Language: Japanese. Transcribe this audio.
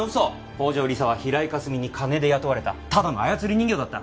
宝城理沙は平井かすみに金で雇われたただの操り人形だった。